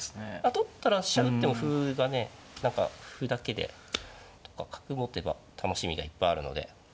取ったら飛車打っても歩がね何か歩だけで。とか角持てば楽しみがいっぱいあるので。